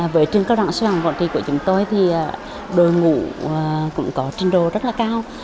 với trường các đoạn sư phạm vận trình của chúng tôi thì đội ngũ cũng có trình độ rất là cao